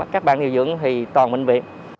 các bạn điều dưỡng thì toàn bệnh viện